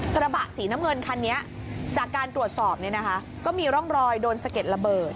กระบะสีน้ำเงินคันนี้จากการตรวจสอบเนี่ยนะคะก็มีร่องรอยโดนสะเก็ดระเบิด